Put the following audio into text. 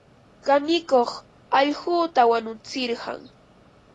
Kanikuq allquta wanutsirqan.